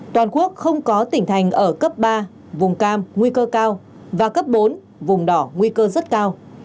toàn quốc không có tỉnh thành ở cấp ba vùng cam nguy cơ cao và cấp bốn vùng đỏ nguy cơ rất cao